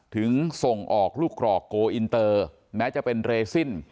ส่งออกลูกกรอกโกอินเตอร์แม้จะเป็นเรซิน